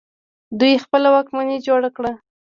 دوی خپله واکمني جوړه کړه